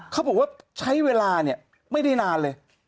เขาบอกว่าใช้เวลาเนี่ยไม่ได้นานเลย